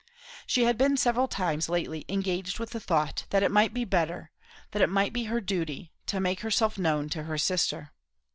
She had been several times lately engaged with the thought, that it might be better, that it might be her duty, to make herself known to her sister.